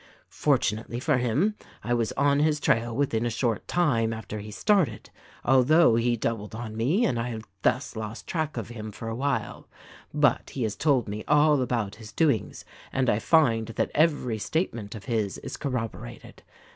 Fortunately for him I was on his trail within a short time after he started, — although he doubled on me, and I thus lost track of him for a while. But he has told me all about his doings and I find that every statement of his is corroborated.